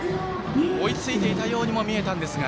追いついていたようにも見えたんですが。